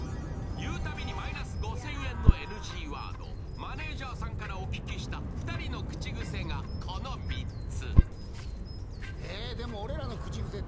言うたびにマイナス５０００円のＮＧワードマネージャーさんからお聞きした２人の口癖がこちらの３つ。